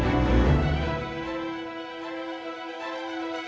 aku mau pergi ke tempat yang lebih baik